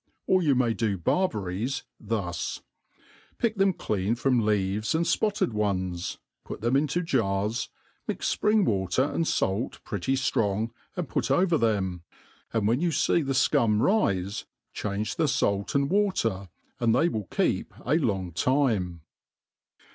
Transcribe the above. Or you may do bar berries thus : pick them clean from leaves 4md fpotted ones ; put them into jars j mix fpring water and fait pretty firong, and put over them, and when you fee the fcum rife, change the fait and water, and they will keep a long time.